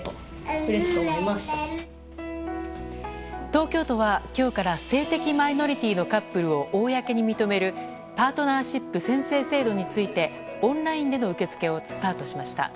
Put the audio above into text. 東京都は今日から性的マイノリティーのカップルを公に認める、パートナーシップ宣誓制度についてオンラインでの受け付けをスタートしました。